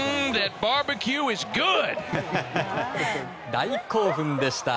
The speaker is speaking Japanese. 大興奮でした。